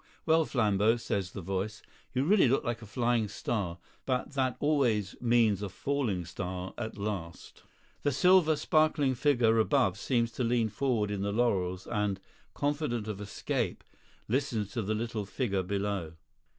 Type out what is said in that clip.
"Well, Flambeau," says the voice, "you really look like a Flying Star; but that always means a Falling Star at last." The silver, sparkling figure above seems to lean forward in the laurels and, confident of escape, listens to the little figure below.